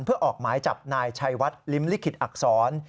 เพื่อออกหมายจับนายชัยวัดลิ้มลิขิตอักษร